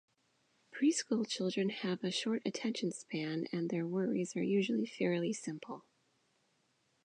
Preschool children have a short attention span and their worries are usually fairly simple.